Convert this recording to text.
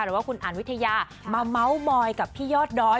หรือว่าคุณอ่านวิทยากับพี่ยอดดอย